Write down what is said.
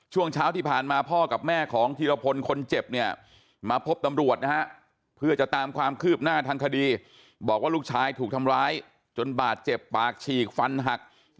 ช่วงเช้าที่ผ่านมาพ่อกับแม่ของทีรพลคนเจ็บเนี่ยมาพบตำรวจนะฮะ